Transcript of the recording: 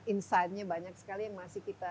insightnya banyak sekali yang masih kita